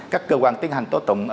các cơ quan tiến hành tố tụng